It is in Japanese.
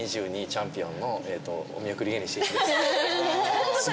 チャンピオンのお見送り芸人しんいちです